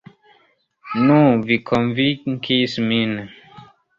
Nu, vi konvinkis min.